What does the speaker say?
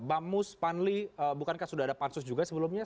bamus panli bukankah sudah ada pansus juga sebelumnya